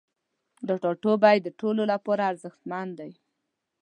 دا ټاتوبی د ټولو لپاره ارزښتمن دی